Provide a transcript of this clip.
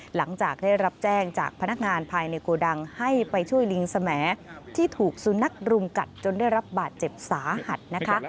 หลังจากได้รับแจ้งจากพนักงานภายในโกดังให้ไปช่วยลิงสมที่ถูกสุนัขรุมกัดจนได้รับบาดเจ็บสาหัสนะคะ